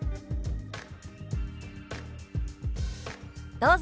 どうぞ。